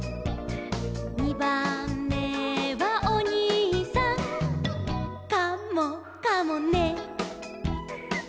「にばんめはおにいさん」「カモかもね」